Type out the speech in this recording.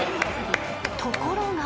［ところが］